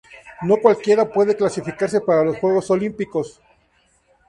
No cualquiera puede clasificarse para los Juegos Olímpicos.